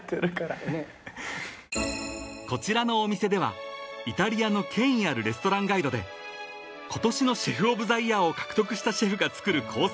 ［こちらのお店ではイタリアの権威あるレストランガイドで今年のシェフオブザイヤーを獲得したシェフが作るコース